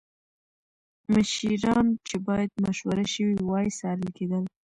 مشیران چې باید مشوره شوې وای څارل کېدل